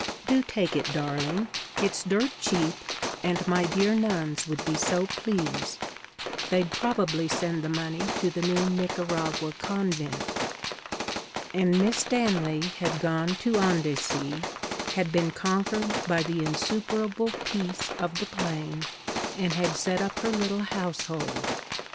Do take it, darling. It's dirt cheap, and my dear nuns would be so pleased. They'd probably send the money to the new Nicaragua convent.' And Miss Stanley had gone to Andecy, had been conquered by the insuperable peace of the plain, and had set up her little household.